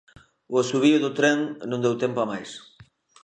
O asubío do tren non deu tempo a máis.